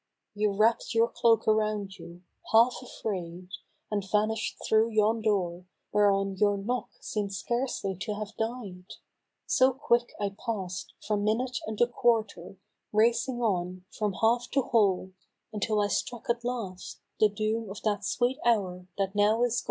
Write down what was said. You wrapped your cloak around you, half afraid, And vanish'd through yon door, whereon your knock Seem'd scarcely to have died — so quick I pass'd From minute unto quarter, racing on From half to whole, until I struck at last The doom of that sweet hour that now is gone